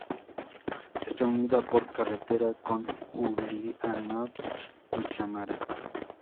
Está unida por carretera con Uliánovsk y Samara.